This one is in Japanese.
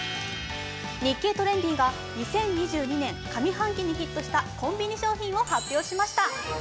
「日経トレンディ」が２０２２年上半期にヒットしたコンビニ商品を発表しました。